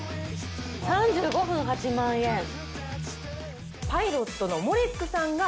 ３５分８万円。